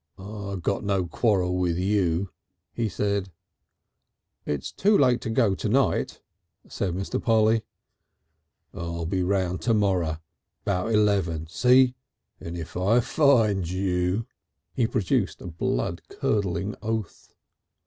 "I got no quarrel with you," he said. "It's too late to go to night," said Mr. Polly. "I'll be round to morrer 'bout eleven. See? And if I finds you " He produced a blood curdling oath.